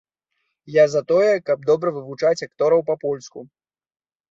Я за тое, каб добра вывучыць актораў па-польску!